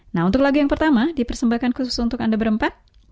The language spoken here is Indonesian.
nah untuk lagu yang pertama dipersembahkan khusus untuk anda berempat